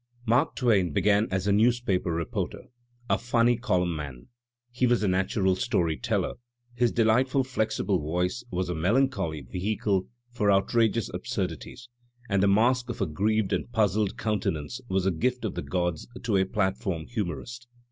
Mark Twain began as a newspaper reporter, a "funny column" man. He was a natural story teller; his delightful, flexible voice was a melancholy vehicle for outrageous ab ^ surdities, and the mask of a grieved and puzzled counte \\ nance was a gift of the gods to a platform humorist.